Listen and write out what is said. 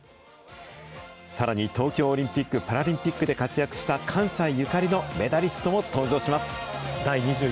さらに、東京オリンピック・パラリンピックで活躍した関西ゆかりのメダリストも登場します。